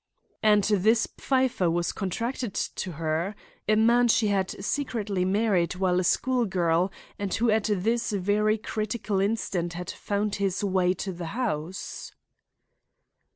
"And this Pfeiffer was contracted to her? A man she had secretly married while a school girl and who at this very critical instant had found his way to the house."